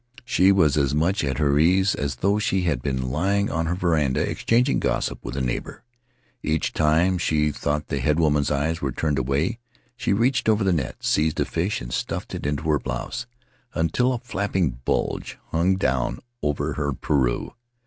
She was as much at her ease as though she had been lying on her veranda exchanging gossip with a neighbor. Each time she thought the headwoman's eyes were turned away she reached over the net, seized a fish, and stuffed it into her blouse, until a flapping bulge hung down over her pareu.